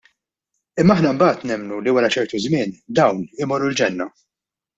Imma aħna mbagħad nemmnu li wara ċertu żmien dawn imorru l-ġenna.